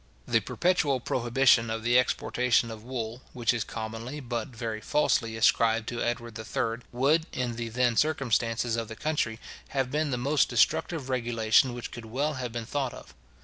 The perpetual prohibition of the exportation of wool, which is commonly, but very falsely, ascribed to Edward III., would, in the then circumstances of the country, have been the most destructive regulation which could well have been thought of.